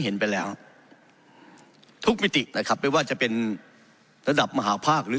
เห็นไปแล้วทุกมิตินะครับไม่ว่าจะเป็นระดับมหาภาคหรือ